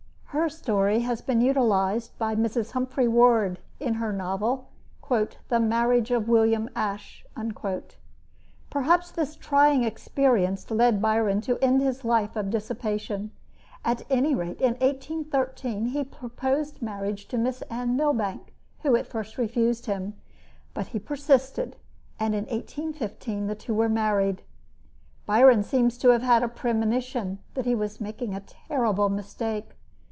Her story has been utilized by Mrs. Humphry Ward in her novel, "The Marriage of William Ashe." Perhaps this trying experience led Byron to end his life of dissipation. At any rate, in 1813, he proposed marriage to Miss Anne Millbanke, who at first refused him; but he persisted, and in 1815 the two were married. Byron seems to have had a premonition that he was making a terrible mistake.